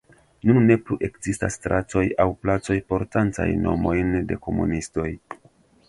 Nun ne plu ekzistas stratoj aŭ placoj portantaj nomojn de komunistoj.